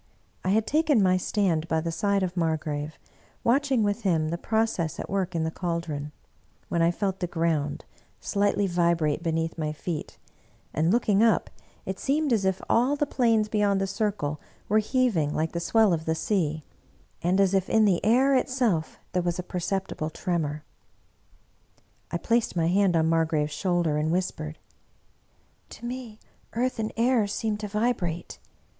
I had taken my stand by the side of Margrave, watching with him the process at work in the caldron, when I felt the ground slightly vibrate beneath my feet, and looking up, it seemed as if all the plains beyond the circle were heaving like the swell of the sea, and as if in the air itself there was a per ceptible tremor. I placed my hand on Margrave^s shoulder and whispered, " To me earth and air seem to vibrate.